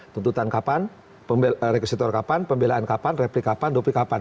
tuntutan kapan rekusitor kapan pembelaan kapan replik kapan doplik kapan